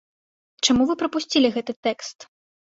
Чаму вы прапусцілі гэты тэкст?